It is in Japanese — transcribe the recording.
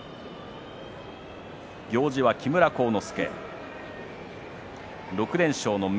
行司は木村晃之